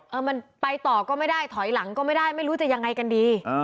เออมันไปต่อก็ไม่ได้ถอยหลังก็ไม่ได้ไม่รู้จะยังไงกันดี